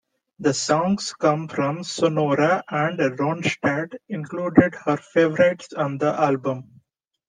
The songs come from Sonora and Ronstadt included her favorites on the album.